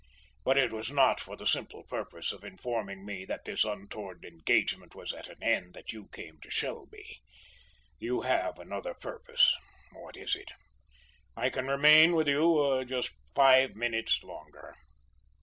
But it was not for the simple purpose of informing me that this untoward engagement was at an end that you came to Shelby. You have another purpose. What is it? I can remain with you just five minutes longer."